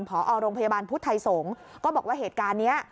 พอโรงพยาบาลพุทธไทยสงฆ์ก็บอกว่าเหตุการณ์นี้